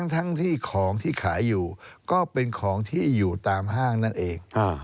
ทั้งที่ของที่ขายอยู่ก็เป็นของที่อยู่ตามห้างนั่นเอง